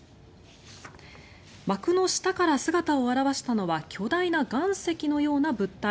幕の下から姿を現したのは巨大な岩石のような物体。